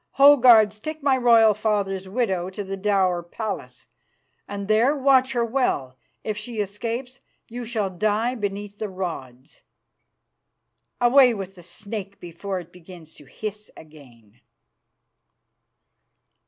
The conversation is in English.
Ho! guards, take my royal father's widow to the dower palace, and there watch her well. If she escapes, you shall die beneath the rods. Away with the snake before it begins to hiss again."